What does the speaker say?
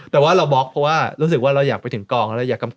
แต่ว่าเราบล็อกเพราะว่ารู้สึกว่าเราอยากไปถึงกองแล้วอยาก